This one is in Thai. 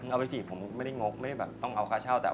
เอาไปจีบผมไม่ได้งกไม่ได้แบบต้องเอาค่าเช่าแต่